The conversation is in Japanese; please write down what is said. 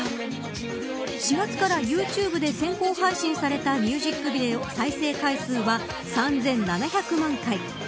４月からユーチューブで先行配信されたミュージックビデオの再生回数は３７００万回。